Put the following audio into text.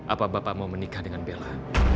apa bapak mau menikah dengan bella